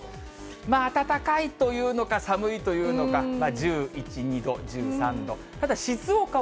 暖かいというのか、寒いというのか、１１、２度、１３度。